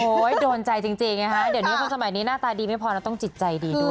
โดนใจจริงนะคะเดี๋ยวนี้คนสมัยนี้หน้าตาดีไม่พอแล้วต้องจิตใจดีด้วย